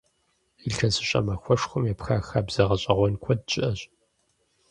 ИлъэсыщӀэ махуэшхуэм епха хабзэ гъэщӀэгъуэн куэд щыӀэщ.